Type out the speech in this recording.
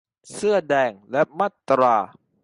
เสื้อแดง และมาตรา